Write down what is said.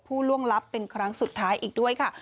ล่วงลับเป็นครั้งสุดท้ายอีกด้วยค่ะ